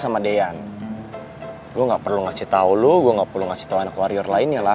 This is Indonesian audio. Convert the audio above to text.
sama dean gue nggak perlu ngasih tahu lo gue nggak perlu ngasih tahu anak warrior lainnya lah